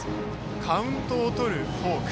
カウントをとるフォーク。